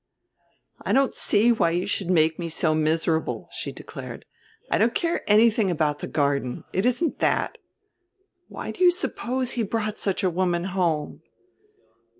"I don't see why you should make me so miserable," she declared. "I don't care anything about the garden, it isn't that. Why do you suppose he brought such a woman home?"